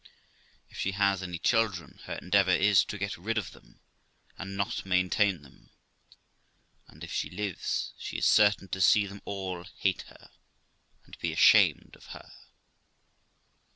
If she has any children, her endeavour is to get rid of them, and not maintain them ; and if she lives, she is certain to see them all hate her, and be ashamed of her.